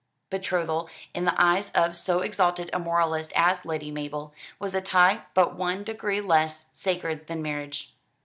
Betrothal, in the eyes of so exalted a moralist as Lady Mabel, was a tie but one degree less sacred than marriage.